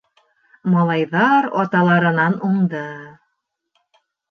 Малайҙар аталарынан уңды.